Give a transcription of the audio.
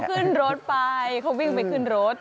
ขึ้นรถไปเขาวิ่งไปขึ้นรถ